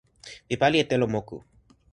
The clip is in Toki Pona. mi pali e telo moku.